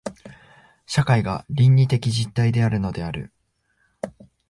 社会が倫理的実体であるのである。